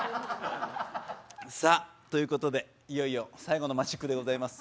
さあということでいよいよ最後のマジックでございます。